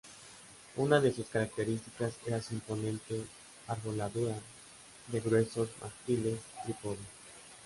Una de sus características era su imponente arboladura de gruesos mástiles trípode.